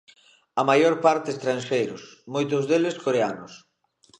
A maior parte estranxeiros, moitos deles coreanos.